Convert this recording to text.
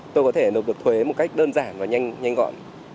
tôi có thể nộp được thuế một cách đơn giản và nhanh nhanh gọn